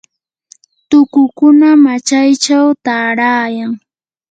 tukukuna machaychaw taarayan.